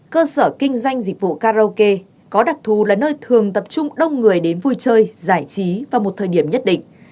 cơ sở kinh doanh dịch vụ karaoke có đặc thù là nơi thường tập trung đông người đến vui chơi giải trí vào một thời điểm nhất định